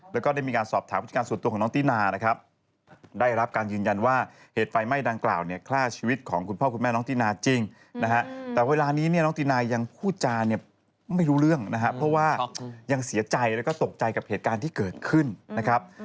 แล้วก็ได้มีการสอบถากพฤติการส่วนตัวของน้องตีนานะครับ